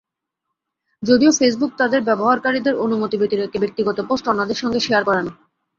যদিও ফেসবুক তাদের ব্যবহারকারীদের অনুমতি ব্যতিরেকে ব্যক্তিগত পোস্ট অন্যদের সঙ্গে শেয়ার করে না।